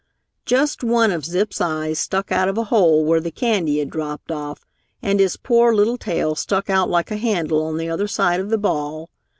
Just one of Zip's eyes stuck out of a hole where the candy had dropped off, and his poor little tail stuck out like a handle on the other side of the ball.